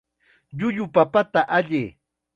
Llullu papata allay.